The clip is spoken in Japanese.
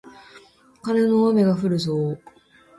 カネの雨がふるぞー